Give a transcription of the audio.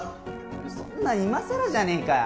そんな今さらじゃねえかよ